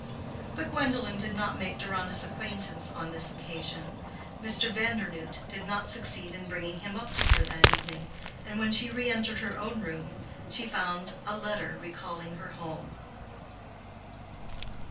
But Gwendolen did not make Deronda's acquaintance on this occasion. Mr. Vandernoodt did not succeed in bringing him up to her that evening, and when she re entered her own room she found a letter recalling her home.